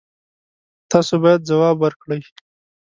تاسو باید ځواب ورکړئ.